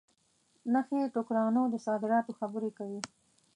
نخې ټوکرانو د صادراتو خبري کوي.